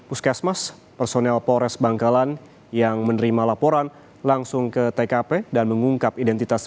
puskesmas personel polres bangkalan yang menerima laporan langsung ke tkp dan mengungkap identitas